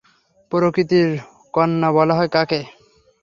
প্রকৃতির কন্যা বলা হয় কাকে?